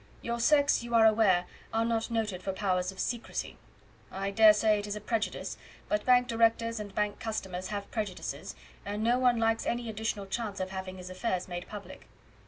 Your sex, you are aware, are not noted for powers of secrecy. I dare say it is a prejudice; but bank directors and bank customers have prejudices, and no one likes any additional chance of having his affairs made public."